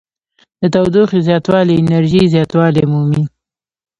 د تودوخې زیاتوالی انرژي زیاتوالی مومي.